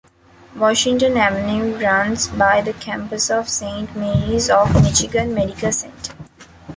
Washington Avenue runs by the campus of Saint Mary's of Michigan Medical Center.